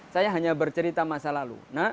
saya hanya bercerita masa lalu